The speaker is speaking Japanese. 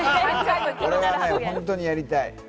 俺は本当にやりたい。